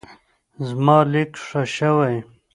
زما لیک ښه شوی.